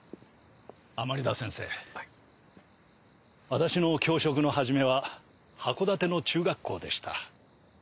私の教職の始めは函館の中学校でした。